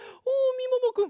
みももくん